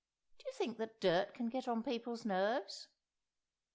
Do you think that dirt can get on people's nerves?"